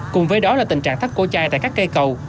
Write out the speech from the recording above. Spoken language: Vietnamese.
cùng với đó là tình trạng thắt cổ chai tại các cây cầu